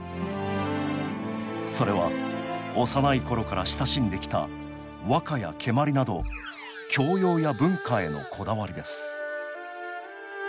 それは幼い頃から親しんできた和歌や蹴鞠など教養や文化へのこだわりです